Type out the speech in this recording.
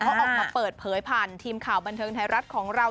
เขาออกมาเปิดเผยผ่านทีมข่าวบันเทิงไทยรัฐของเรา